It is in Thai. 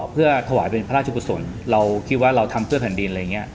เพื่อถวายเป็นพระราชกุศลเราคิดว่าเราทำเพื่อแผ่นดินอะไรอย่างนี้